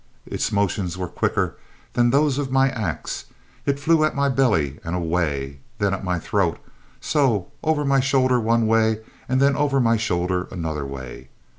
Its motions were quicker than those of my axe; it flew at my belly, and away; then at my throat; so, over my shoulder one way, and then over my shoulder another way.